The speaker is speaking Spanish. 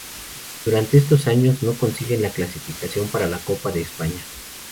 Durante estos años no consiguen la clasificación para la Copa de España.